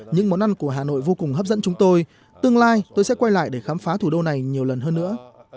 những món ăn của hà nội vô cùng hấp dẫn chúng tôi tương lai tôi sẽ quay lại để khám phá thủ đô này nhiều lần hơn nữa